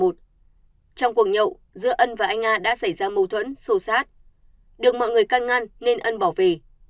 trong cuộc nhậu giữa ân và anh nga đã xảy ra mâu thuẫn sô sát được mọi người căn ngăn nên ân bỏ về